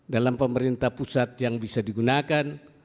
dalam pemerintah pusat yang bisa digunakan